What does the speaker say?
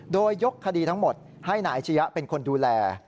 โดยยกคดีทั้งหมดให้นายอาชียะเป็นคนดูแล